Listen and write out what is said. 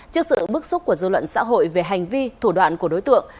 trước sự bức xúc của dư luận xã hội về hành vi thủ đoạn của đối tượng